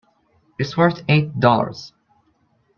It's worth eight dollars.